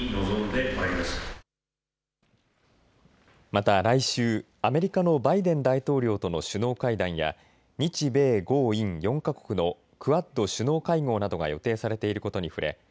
また来週、アメリカのバイデン大統領との首脳会談や日米豪印４か国のクアッド首脳会合などが予定されていることに触れ